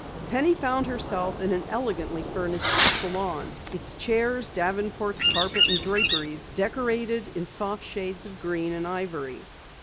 Penny found herself in an elegantly furnished salon, its chairs, davenports, carpet and draperies decorated in soft shades of green and ivory.